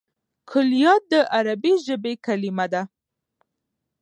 کلیات د عربي ژبي کليمه ده.